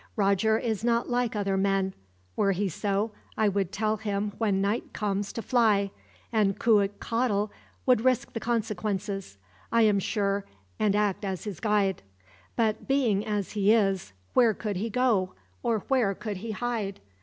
Roger is not like other men. Were he so, I would tell him when night falls to fly, and Cuitcatl would risk the consequences, I am sure, and act as his guide; but being as he is, where could he go, or where could he hide?